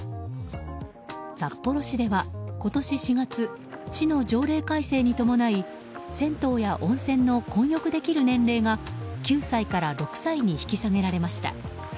札幌市では今年４月市の条例改正に伴い銭湯や温泉の混浴できる年齢が９歳から６歳に引き下げられました。